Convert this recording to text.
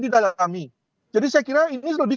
didalami jadi saya kira ini lebih